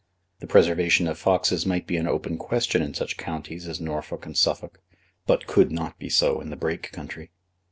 The preservation of foxes might be an open question in such counties as Norfolk and Suffolk, but could not be so in the Brake country.